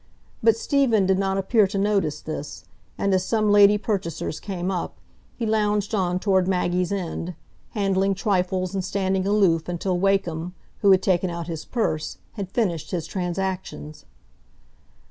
But Stephen did not appear to notice this, and as some lady purchasers came up, he lounged on toward Maggie's end, handling trifles and standing aloof until Wakem, who had taken out his purse, had finished his transactions.